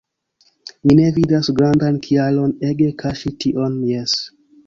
Mi ne vidas grandan kialon ege kaŝi tion – jes.